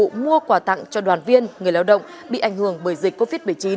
phục vụ mua quà tặng cho đoàn viên người lao động bị ảnh hưởng bởi dịch covid một mươi chín